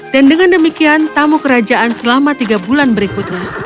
dan dengan demikian tamu kerajaan selama tiga bulan berikutnya